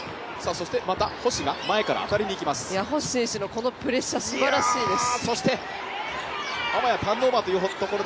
星選手のこのプレッシャーすばらしいです。